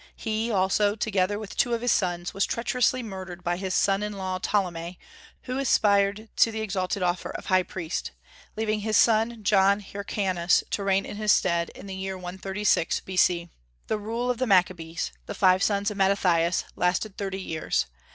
He also, together with two of his sons, was treacherously murdered by his son in law Ptolemy, who aspired to the exalted office of high priest, leaving his son John Hyrcanus to reign in his stead, in the year 136 B.C. The rule of the Maccabees, the five sons of Mattathias, lasted thirty years.